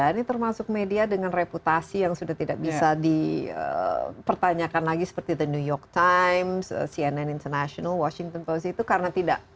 ini termasuk media dengan reputasi yang sudah tidak bisa dipertanyakan lagi seperti the new york times cnn international washington policy itu karena tidak